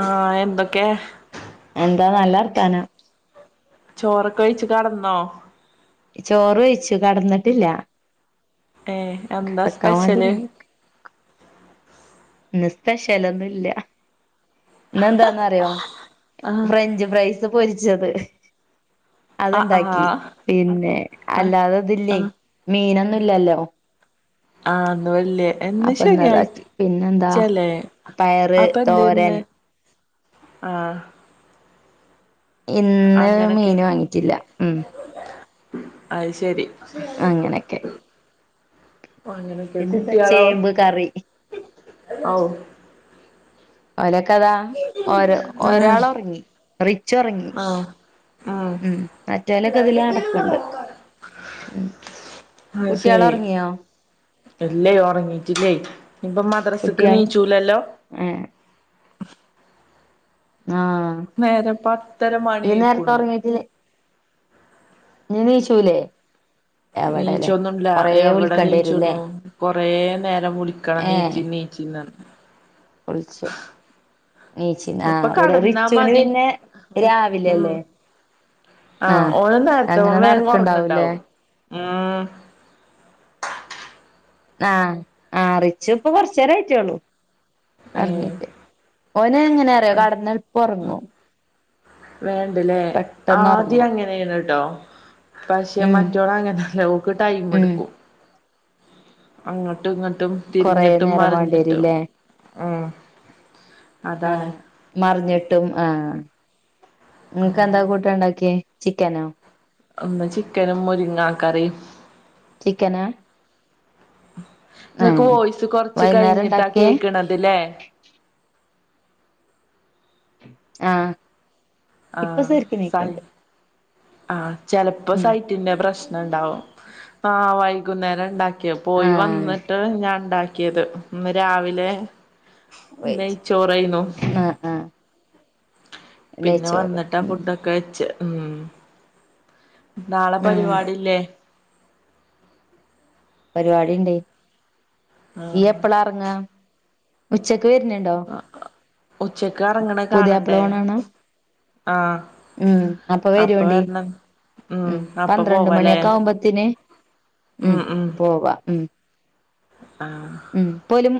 ആ എന്തൊക്കെയാ എന്താ നല്ല വർത്താനം ചോറൊക്കെ വെയിച്ച് കെടന്നോ ചോറ് വെയിച്ചു കടന്ന്ട്ടില്ല ഏഹ് എന്താ വേണ്ടി സ്പെഷ്യല് ഇന്ന് സ്പെഷ്യലൊന്നുല്ല ഇന്ന് എന്താന്ന് അറ്യോ ആഹ് ഫ്രഞ്ച് ഫ്രൈസ് പൊരിച്ചത് അത് ആഹ് ആഹ് ഇണ്ടാക്കി പിന്നെ ആഹ് അല്ലാതെതില്ലേ ആഹ് മീനൊന്നുംല്ലല്ലോ ആഹാ ഒന്നുമില്ല ഇന്ന് അപ്പൊ ഇന്നതാക്കി പിന്നെന്താ ശനിയാഴ്ച്ചല്ലേ പയറ് അപ്പ എന്തേ തോരൻ ഇന്ന് ആഹ് ഇന്ന് മീന് വാങ്ങിട്ടില്ല ഉം ആയിശേരി അങ്ങനെയൊക്കെ ഓ അങ്ങനെയൊക്കെ പിന്നെന്താ കുട്ട്യാളോ ചേമ്പ് കറി ഔ ഓലോക്കാത്ത ഓരോ ഏഹ് ഒരാള് ഉറങ്ങി റിച്ചു ഉറങ്ങി ആഹ് ഉം മറ്റോലൊക്കെ ഇതിലെ നടക്ക്ണ്ട് ഉം അത് കുട്ട്യാള് ശരി ഒറങ്ങിയോ ഇല്ലേ ഒറങ്ങട്ടില്ലേ ഇനിപ്പ മദ്രസക്ക് കുട്ടിയാള് നീച്ചൂലല്ലോ ഏ ആഹ് നേരം പത്തര മണി ഈ നേരത്തെ ആയിക്കൂണു ഇനി നീച്ചൂലെ നീച്ചൊന്നും ഇല്ല എവിടെ വിളിക്കേണ്ടി വരുംല്ലേ നീച്ചണു കൊറേ നേരം വുളിക്കണം നീച്ചീ നീച്ചീ നർഞ്ഞ് വുള്ച്ചെ നീചിനാ ആ ഇപ്പൊ അവിടെ കടന്നാ റിച്ചുന് മതി പിന്നെ രാവിലെ ഉം അല്ലെ ആഹ് അങ്ങനെ നടക്ക് ഇണ്ടാവുല്ലേ ആഹ് ആഹ് ആ റിച്ചു ഇപ്പൊ കൊറച്ച് നേരം ആയിട്ടെള്ളൂ ഏഹ് ഒറങ്ങിട്ട് ഓന് എങ്ങനെ അറിയോ കടന്നെളപ്പം ഒറങ്ങും വേണ്ടല്ലേ പെട്ടെന്ന് ആദ്യം ഒറങ്ങും അങ്ങനെയാര്ന്ന് ട്ടോ പക്ഷെ ഉം മറ്റോള് അങ്ങ്ട്ടല്ല ഓക്ക് ടൈം ഉം ഇടുക്കും അങ്ങ്ട്ട് ഇങ്ങ്ട്ടും കൊറേ തിർഞ്ഞിട്ടും നേരം മർഞ്ഞിട്ടും വേണ്ടിവരുംല്ലേ ഉം അതാണ്. ആഹ് മറിഞ്ഞിട്ടും ആ നിങ്ങക്ക് എന്താ കൂട്ടാൻഉണ്ടാക്കിയേചിക്കനോ? ഒന്ന് ചിക്കനും, മുരിങ്ങാ കറിയും. ചിക്കനാ നിങ്ങക്ക് ആഹ് വോയിസ് കൊറച്ച് വൈന്നേരം കഴിഞ്ഞിട്ടാ ഇണ്ടാക്കിയേ കേക്ക്ണതില്ലേ? ആ ആ സഹി ആ ചിലപ്പോ ഉം സഹി ന്റെ പ്രശ്നം ഉണ്ടാവും. ആ വൈകുന്നേരം ഉണ്ടാ പോയി ആഹ് വന്നിട്ട് ഞാൻ ഉണ്ടാക്കിയത്. ഇന്ന് രാവിലെ നെയ്ചോറയ്ന്നു ആ ആ പിന്നെ വന്നിട്ട് ആ ഉം ഫുഡൊക്കെ വെച്ചേ ഉം. നാളെ ആഹ് പരിപാടില്ലേ? പരിപാടി ഇണ്ട്. ഇയ്യ് ആഹ് എപ്പളാ അർങ്ങാ? ഉച്ചക്ക് വർഞ്ഞ്ണ്ടോ? ഉച്ചക്ക് പുതിയാപ്പിള ഓണാണോ? ആ ഉം അപ്പ വെരൊണ്ടി. ഉം. അപ്പൊ പന്ത്രണ്ട് പോവാലേ മണിയൊക്കെ ആവുമ്പത്തിന് ഉം പോവാം. ഉം. ആ ഉം. പോലും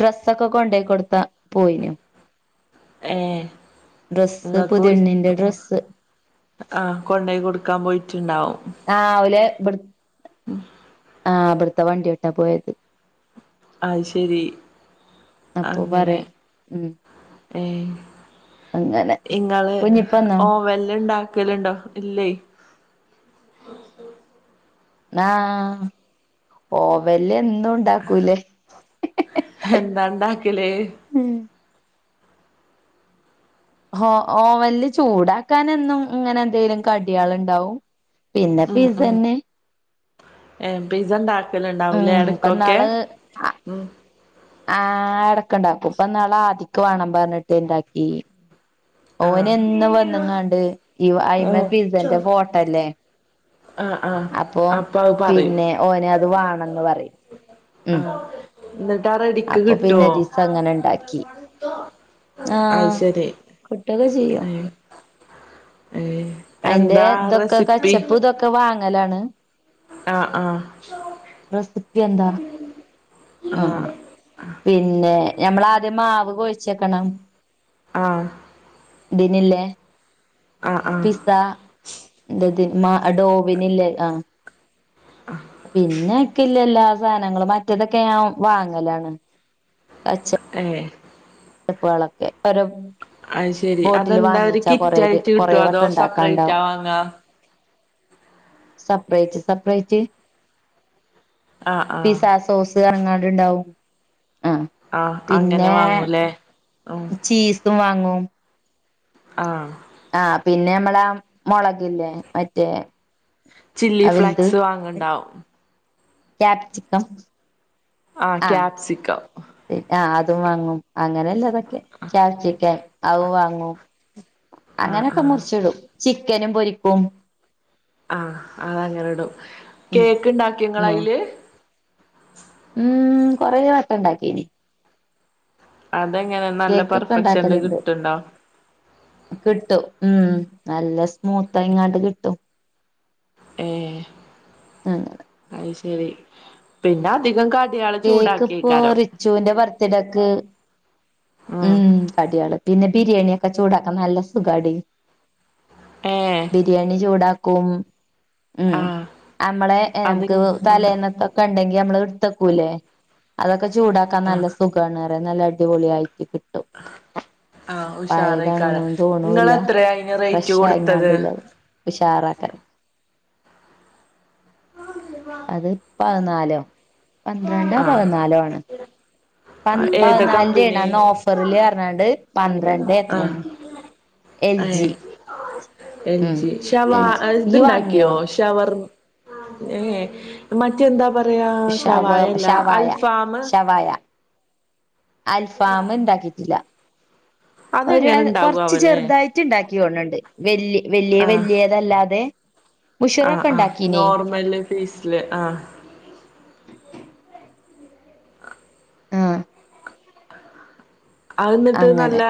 ഡ്രസ്സൊക്കെ കൊണ്ടുപോയികൊടുത്താ പോയിനു. ഏ ഡ്രസ്സ് ഇങ്ങൾക്ക് വിളി പുതിയെണ്ണിന്റെ ഡ്രസ്സ് ആ കൊണ്ടോയി കൊടുക്കാൻ പോയിട്ടുണ്ടാവും. രാവിലെ ആ ഇവിടുത്തെ വണ്ടി യായിട്ടാ പോയത്. അത് ശരി അപ്പൊ അങ്ങനെ പറയ് ഉം ഏ അങ്ങനെ ഇങ്ങള് കുഞ്ഞിപ്പന്നോ ഓവൽല് ഇണ്ടാക്കലുണ്ടോ ഇല്ലേ? ആ ഓവല്എന്തു താക്കൂലെ എന്താ ഇണ്ടാക്കല് ഉം. ഓ ഓവൽല് ചൂടാക്കാൻ എന്നും ഇങ്ങനെ എന്തേലും കടിയാള് ഇണ്ടാവും. ഉം ഉംഏ പിസ ഉണ്ടാകല് ഉണ്ടാവൂല്ലേ ഉം ഇടക്കൊക്കെ? ഇപ്പന്നാള് ഉം ആ ഇടക്ക്ണ്ടാക്കും. ഇപ്പ ന്നാളെ ആ ദിക്ക് വേണം പർഞ്ഞിട്ട് ഇണ്ടാക്കി. ഓന് ആഹ് എന്നും വന്നുങ്ങാണ്ട് ഈ അയിമെ ആഹ് പിസന്റെ ഫോട്ടോഇല്ലേ ആഹ് ആഹ് അപ്പം അ പിന്നെ ഓന് അത് വാണന്ന് പറയും. ആ ഉം എന്നിട്ട് ആ റെഡിക്ക് അപ്പൊ പിന്നെ കിട്ടുവോ? ഒരീസം അങ്ങനെ ഇണ്ടാക്കി അയ് ആഹ് ശരി കിട്ടൊക്കെ ഏ ചെയ്യും ഏ അതിന്റെ ഇതൊക്കെ കച്ചപ്പ് ഇതൊക്കെ വാങ്ങലാണ്. ആഹ് ആഹ് റെസിപ്പി എന്താ? ആ ആഹ് പിന്നെ ഞമ്മൾ ആദ്യം മാവ് കൊഴച്ച് വെക്കണം. ആ [unintelligible] ആ ആഹാ ടാ [unintelligible] പിന്നെ അയ്ക്ക്‌ല്ലേല്ലാ സാധനങ്ങളും മറ്റേതൊക്കെ ഞാൻ വാങ്ങലാണ് കച്ച ഏ ച്ചപ്പുകളൊക്കെ ഒരു അത് ശെരി. അതെന്താ ഒരു ഇത് കിറ്റായിട്ട് കൊറേ കിട്ടുവോ അതോ വട്ടം സപ്പറേറ്റാ ഉണ്ടാക്കാണ്ടാവും വാങ്ങാ? സെപ്പറേറ്റ് സെപ്പറേറ്റ് ആഹ് ആഹ് പിസസോ ത് ഇറങ്ങാട് ഉണ്ടാവും ആ ആ അങ്ങനെ പിന്നെ വാങ്ങൂലേ ഉം ചീസും വാങ്ങും ആ ആ പിന്നെ നമ്മള മുളകില്ലേ മറ്റേ ചില്ലി വലുത് ഫ്ലേക്സ് വാങ്ങണ്ടാവും ക്യാപ്സിക്കം ആ ക്യാപ്സിക്കം ആ അതും വാങ്ങും അങ്ങനെല്ലതൊക്കെ കാപ്സിക്കം അവു വാങ്ങും ആഹ് അങ്ങനൊക്കെ ആഹ് മുറിച്ചിടും ചിക്കനും പൊരിക്കും ആഗ് അതങ്ങനെ ഇടും ഉം കേക്ക് ഉണ്ടാക്കിയൊ ഉം ങ്ങള്അതില് ഉം കൊറെ വട്ടം ഉണ്ടാക്കിനി അതെങ്ങനെ നല്ല കേക്കൊക്കെ പെർഫെക്ഷൻല് ഉണ്ടാക്കലുണ്ട് കിട്ടുണ്ടോ കിട്ടും ഉം നല്ല സ്മൂത്തായി ഇങ്ങാട്ട് കിട്ടും ഏ [unintelligible] അത് ശരി പിന്നെ അധികം ക കേക്ക് ഇപ്പോ റിച്ചുവിന്റെ ബർത്ത്ഡേക്ക് ഉം കടിയള് പിന്നെ ബിരിയാണിയൊക്കെ ചൂടാക്കൻ നല്ല സുഖടി ഏഹ് ബിരിയാണി ചൂടാക്കും ഉം ആഹ് നമ്മളെ അത് നമുക്ക് ആഹ് തലേന്നത്തൊക്കെ ഉണ്ടെങ്കി നമ്മള് എടുത്തക്കൂലേ അതൊക്കെ ചൂടാക്കാൻ ആഹ് നല്ല സുഖമാണ്റ നല്ല അടിപൊളി ആയിട്ട് കി ആഹ് ഉഷാറായിക്കാല പഴയതാണെന്നൊന്നും നിങ്ങ തോണൂല്ല എത്രയാ അതിന് റേറ്റ് കൊടുത്തത് ഉഷാറാക്കണം അത് പതിനാലോ പന്ത്രണ്ടോ ആഹ് പതിനാലോ ആണ് പ ഏതാ പതിനാലിന്റെ ആണ് കമ്പനി അന്ന് ഓഫറില് പറഞ്ഞാണ്ട് പന്ത്രണ്ട് ആഹ് എത്രണ് എൽ ജി ഏഹ് എൽ ഉം ജി ശവാ എൽ ജി ഇയ്യ് ഇതുണ്ടാക്കോ വാങ്ങിയോ ശവർ ഏ മറ്റെന്താപ റയാ ശവായല്ല അൽഫാം ശവായ അൽഫാം ഇണ്ടാക്കിട്ടില്ല ഒരു അതെങ്ങനെ കൊറച്ച് ഇണ്ടാകുവാവല്ലേ ചെറുതായിട്ട് ഉണ്ടാക്കി തോണണ്ട് വല്യ വലിയ ആഹ് വാല്യേ തല്ലാതെ മുഷിറൊക്കെ ഉണ്ടാക്കീനി ഫീസില് ആഹ് ആഹ് അഅ് എന്നിട്ട് നല്ല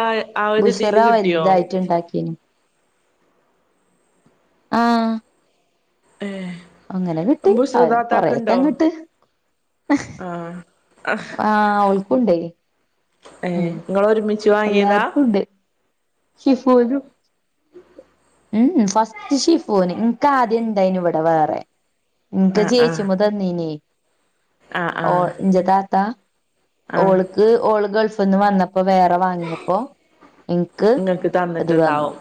ആ ഇതിയില് കിട്ടിയോ റ്റ് ഉണ്ടാക്കിനി ആഹ് ഏ അങ്ങനെ കിട്ടി അത് കൊറെയൊക്കെ ബുസ്രത്താത്താക്ക്ണ്ടോ അങ്ങട്ട് ആഹ ആഹ് അവൾക്കുണ്ടേ ഏ ഉം നിങ്ങളൊരുമിച്ച് വാങ്ങിയതാ ഷിഫൂരു ഉം ഫസ്റ്റ് ഷീഫോന് ഇനിക്ക് ആദ്യ ഉണ്ടായിന് ഇവിടെ വേറെ ഇൻ ആഹ് ജയിച്ചു ആഹ് മ്പോതന്നീനി ആഹ് ഓ ആഹ് ഇൻ്റെ താത്ത ആഹ് ഓൾ ക്ക് ഓള് ഗൾഫ് നിന്ന് വന്നപ്പോ വേറെ വാങ്ങിയപ്പോ ഇൻക്ക് ഇങ്ങക്ക് തന്നിട്ടുണ്ടാവും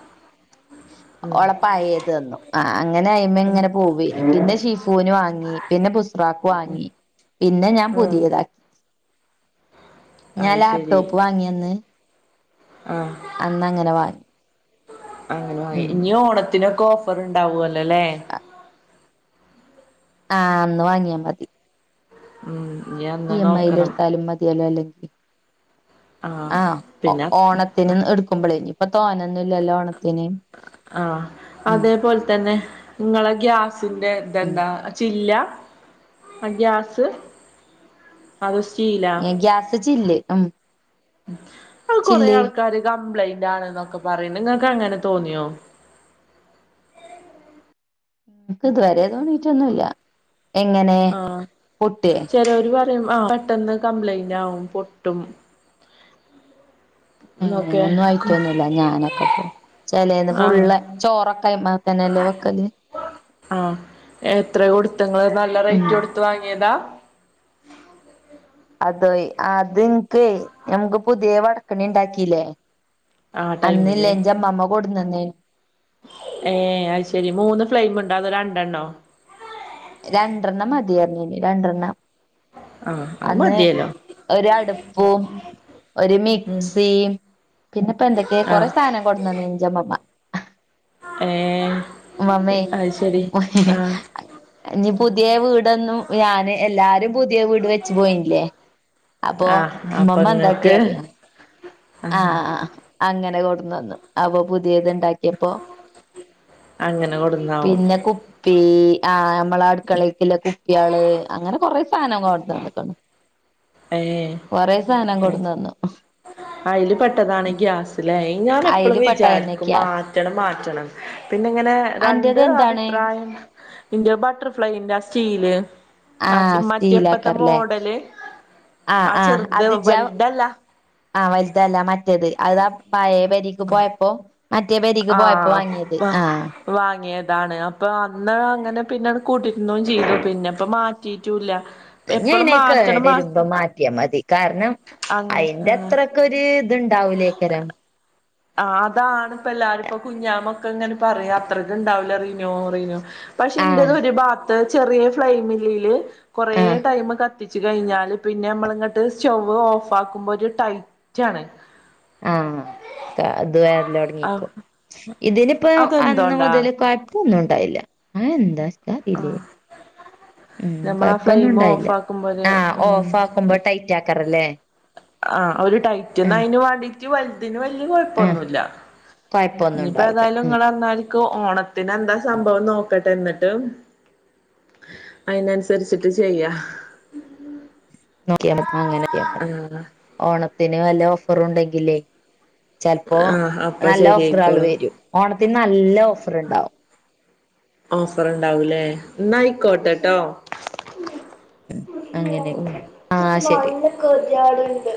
ഉം ഓളെപയേത് തന്നു ആ അങ്ങനെ ഉം അയ്മങ്ങനെ പോവായിനി പിന്നെ ഷീഫുവിന് വാങ്ങി പിന്നെ പുസ്രാഖ വാങ്ങി പിന്നെ ഞാൻ ഉം പുതിയതാ [inaudible] ഞാൻ അയ് ശരി ലാപ്ടോപ്പ് വാങ്ങിയന്ന് ആഹ് അന്ന് അങ്ങനെ വാങ്ങി അങ്ങനെ വാങ്ങി. ഉം ഇനി ഓണത്തിനൊക്കെ ഓഫർ ഉണ്ടാവല്ലോല്ലേ ആഹ് അന്ന് വാങ്ങിയാ മതി ഉം ഇനി ഈ അന്ന് നോക്കണം എംയിലെടുത്താലും മതിയല്ലോ അല്ലെങ്കില് ആഹ് ഓണത്തിന് എടുക്കുമ്പോളേ, ഇനി ഇപ്പൊ തോനൊന്നുംല്ലല്ലോ ഓണത്തിന് ആഹ് ഉം അതേപോലെ തന്നെ ഇങ്ങളെ ഗ്യാസിന്റെ ഉം ഇതെന്താ ച്ചില്ല ആഹ് ഗ്യാസ് അഗസ്റ്റ് ഗ്യാസ് ച്ചില്ല് ഉം അത് കൊറെ ചില്ല് ആൾക്കാര് കംപ്ലൈന്റ് ആണെന്നൊക്കെ പറയ്ണ്ട്. ങ്ങൾക്ക് അങ്ങനെ തോന്നിയോ ഇൻക്ക് ഇതുവരെ തോന്നീട്ടൊന്നുല്ല എങ്ങനെ ആഹ് പൊട്ടേ ചെലോര് പെട്ടെന്ന് കംപ്ലൈന്റ് ആവും പൊട്ടും ഏ ഓക്കെ ഒന്നും ആയിട്ടൊന്നുമില്ല ഞാനൊക്കെ ഇപ്പോ ചിലത് ആഹ് ഫുള്ള് ചോറൊക്കെ അയിമ ആഹ് എത്ര കൊടുത്തങ്ങള് നല്ല ഉം റേറ്റ് കൊടുത്ത് വാങ്ങിയതാ? അതോയ് അത്നിക്ക് നമക്ക് പുതിയ വടക്കണി ഉണ്ടാക്കില്ലേ ആഹ് അന്നല്ല ടൈമില് എന്റെമ്മമ്മ കൊഡ്ന്നന്നേര്ന്നു ഏഹ് അത് ശരി മൂന്ന് ഫ്ലെയിമണ്ടോ അതോ രണ്ടെണ്ണോ രണ്ടെർണ്ണം മതിയര്ന്ന് രണ്ടെണ്ണം ആഹ് അത് അന്ന് മതിയല്ലോ ഒരടുപ്പും ഒരു ഉം മിക്സി പിന്നെപ്പൊ എന്തൊക്കെയ കൊറെ ആഹ് സാധനം കൊടുന്നന്നീന്നു ന്റെമമ്മ ഏഹ് മമ്മേ അത് ശരി ആഹ് ഇനി പുതിയ വീടൊന്നും ഞാാന് എല്ലാരും പുതിയ വീട് വെച്ച പോയില്ലേ അപ്പൊ ആഹ് അപ്പൊ മമ്മ ഇങ്ങക്ക് എന്താട്ടിയ അറിയോ ആഹ് ആഹ് ആഹ് ആ് അങ്ങനെ കൊടുന്ന് വന്നു അപ്പൊ പുതിയത് ഉണ്ടാക്കിയപ്പോ അങ്ങനെ കൊടുന്നാവും പിന്നെ കുപ്പി ആ നമ്മളെ അടുക്കളെ ക്കുള്ള കുപ്പികള് അങ്ങനെ കൊറെ സാധനം കൊടന്നന്ന്ക്ക്ണ് ഏഹ് അയ്ല് പെട്ടതാണ് ഗ്യാസ് ല്ലേയി ഞൻ എപ്പളും അയില് പെട്ടതന്നെ വിചാരിക്കും ഗ്യാസ് മാറ്റണം മാറ്റണം പിന്ന ഇങ്ങനെ അന്റത് രണ്ട് എന്താണ് അഭിപ്രായം ഇന്റെ ബട്ടർഫ്ലൈന്റെ ആ സ്റ്റീല് ആച് ആഹ് മറ്റേപ്പത്തെ സ്റ്റീലാക്കാരല്ലേ മോഡല് ആഹ് ചെറുത് വല്താല്ല ആഹ് വലുതല്ല മറ്റേത് അതാ പഴയേ പരിക്ക് പോയപ്പോ മറ്റേ പേരിക്ക് പോയപ്പോ വാങ്ങിയത് ആഹ് ആഹ് വാങ്ങിയതാണ് അപ്പൊ അന്ന് അങ്ങനെ പിന്നെ കൂടിര്ന്നും ചെയ്തു പിന്നെ അപ്പൊ മാറ്റിട്ടൂല്ല ഇനി ഞയിന് അത്‌ കേടരുമ്പോ മാറ്റിയാ മതി കാരണം അങ്ങ് അയിന്റെ ആഹ് അത്ര മ്മക്ക് ഒരു ഇത്ണ്ടാവൂലേക്കരം ആ് അതാണ് ഇപ്പ എല്ലാരുംപ്പോ കുഞ്ഞാമൊക്കെ ഇങ്ങനെ പറയാ അത്രയ്ക്ക ഉണ്ടാവില്ല റീനോ റീനോ പക്ഷെ ആഹ് ഇന്റത് ഒരു ഭാത്ത് ചെറിയ ഫ്ലൈമില്ലയില് കൊറേ ആഹ് ടൈമ് ക കത്തിച്ചു കഴിഞ്ഞാല് പിന്നെ നമ്മളിങ്ങോട്ട് സ്റ്റവ് ഓഫ് ആക്കുമ്പോ ഒരു ടൈറ്റ് ആണ് ആഹ് അത് വര്ല് ആ തെടങ്ങീക്കും ഇതിനിപ്പോ അന്ന് അതെന്തോണ്ടാ മുതല് പൊന്നും ഉണ്ടായില്ല അതെന്താ [unintelligible] നമ്മളാ ഫ്ലെയിമ് ഓഫ് ഉണ്ടായില്ല ആക്കുമ്പോ ഒരു ആഹ് ഉം ഓഫ് ആക്കുമ്പോ ടൈറ്റ് ആക്കാറല്ലേ ആഹ് ഒരു ടൈറ്റ്ന്ന് ആഹ് അതിന് വേണ്ടിട്ട് വലുതിന് വലയ ആഹ് കൊഴപ്പൊന്നുല്ല കൊഴപ്പൊന്നും ഇനിയിപ്പോ ഉണ്ടാവില്ല ഏതായാലും ഉം ഇങ്ങള് പറന്നാതിരിക്ക് ഓണത്തിന് എന്താ സംഭവം നോക്കട്ടെ എന്നിട്ട് അതിനന്നുസരിച്ചിട്ട് ചെയ്യാ നോക്കിയമതി. ആ ഓണത്തിന് വല്ല ഓഫറും ഉണ്ടെങ്കിലേ ചിലപ്പോ ആഹ് അപ്പൊ നല്ല ഓഫറെള് ശരിയായിക്കോളും വരും ഓണത്തിന് നല്ല ഓഫർ ഉണ്ടാവും ഓഫർ ഉണ്ടാവൂലേ. ന്നായിക്കോട്ടട്ടോ അങ്ങനെയൊക്കെ ൻക്ക് ആഹ് ശരി നല്ല ക്കെ ദി യേട്ൻ ണ്ട്